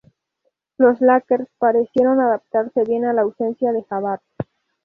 Los Lakers parecieron adaptarse bien a la ausencia de Jabbar.